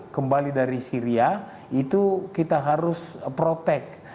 kembali dari syria itu kita harus protect